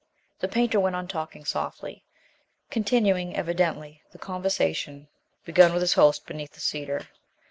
The painter went on talking softly, continuing evidently the conversation begun with his host beneath the cedar.